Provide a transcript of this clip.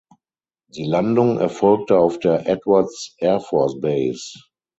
Die Landung erfolgte auf der Edwards Air Force Base.